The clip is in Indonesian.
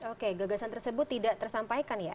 oke gagasan tersebut tidak tersampaikan ya